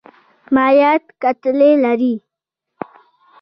مایعات کتلې لري.